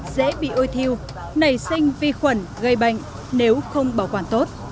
dễ bị ôi thiêu nảy sinh vi khuẩn gây bệnh nếu không bảo quản tốt